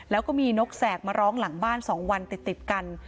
แล้วก็มีนกแสกมาร้องหลังบ้าน๒วันติดกัน